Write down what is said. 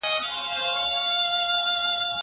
دا متن د تاریخ پوهنې یوه برخه ده.